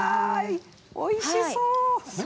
おいしそう。